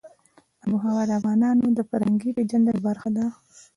آب وهوا د افغانانو د فرهنګي پیژندنې برخه ده.